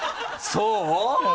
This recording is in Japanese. そう？